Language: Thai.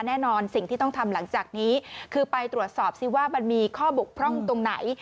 แน่นอนสิ่งที่ต้องทำหลังจากนี้คือไปตรวจสอบซิว่ามันมีข้อบกพร่องตรงไหน